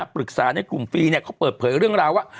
ปรึกษาในกลุ่มฟรีเขาเปิดเผยเรื่องราวว่า